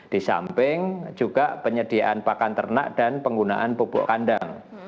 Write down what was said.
di samping juga penyediaan pakan ternak dan penggunaan pupuk kandang